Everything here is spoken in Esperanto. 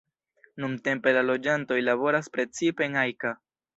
Nuntempe la loĝantoj laboras precipe en Ajka.